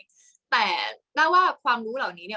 กากตัวทำอะไรบ้างอยู่ตรงนี้คนเดียว